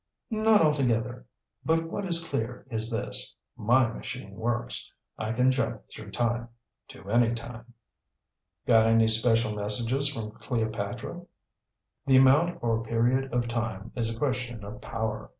"Not altogether. But what is clear is this. My machine works. I can jump through time. To any time." "Got any special messages from Cleopatra?" "The amount or period of time is a question of power.